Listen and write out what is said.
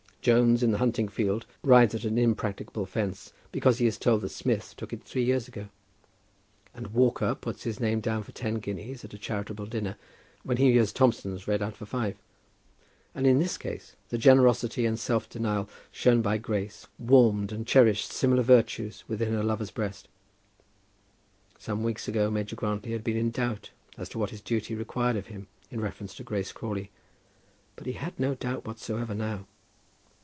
Jones in the hunting field rides at an impracticable fence because he is told that Smith took it three years ago. And Walker puts his name down for ten guineas at a charitable dinner, when he hears Thompson's read out for five. And in this case the generosity and self denial shown by Grace warmed and cherished similar virtues within her lover's breast. Some few weeks ago Major Grantly had been in doubt as to what his duty required of him in reference to Grace Crawley; but he had no doubt whatsoever now.